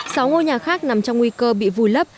sáu ngôi nhà khác nằm trong nguy cơ bị vùi lấp